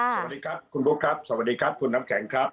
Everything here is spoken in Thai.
สวัสดีครับคุณบุ๊คครับสวัสดีครับคุณน้ำแข็งครับ